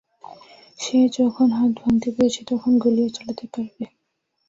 সে যখন হাত ভাঙতে পেরেছে, তখন গুলিও চালাতে পারবে?